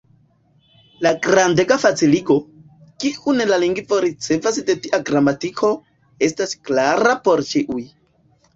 La grandega faciligo, kiun la lingvo ricevas de tia gramatiko, estas klara por ĉiu.